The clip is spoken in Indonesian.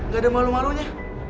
gak ada malu malunya